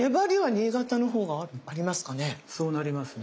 そうなりますね。